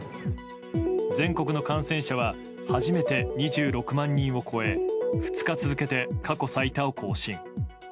全国の感染者は初めて２６万人を超え２日続けて過去最多を更新。